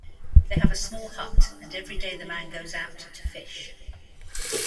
They have a small hut, and every day the man goes out to fish.